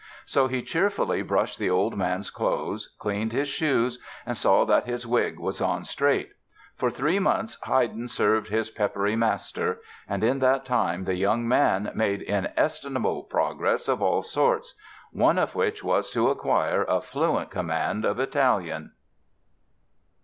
So he cheerfully brushed the old gentleman's clothes, cleaned his shoes and saw that his wig was on straight. For three months Haydn served his peppery master. And in that time the young man made inestimable progress of all sorts—one of which was to acquire a fluent command of Italian.